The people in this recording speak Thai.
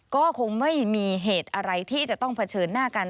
ก็คงไม่มีเหตุอะไรที่จะต้องเผชิญหน้ากัน